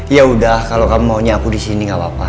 ya udah kalau kamu maunya aku di sini gak apa apa